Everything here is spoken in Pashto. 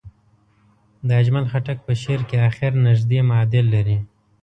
د اجمل خټک په شعر کې اخر نژدې معادل لري.